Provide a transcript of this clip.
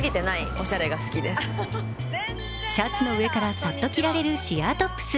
シャツの上からさっと着られるシアートップス。